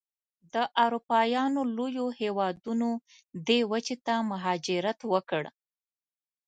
د اروپایانو لویو هېوادونو دې وچې ته مهاجرت وکړ.